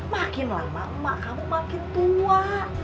makin lama emak kamu makin tua